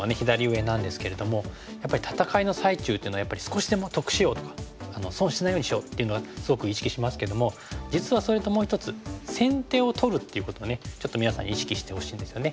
戦いの最中っていうのはやっぱり少しでも得しようとか損しないようにしようっていうのはすごく意識しますけども実はそれともう一つ先手を取るっていうこともちょっと皆さんに意識してほしいんですよね。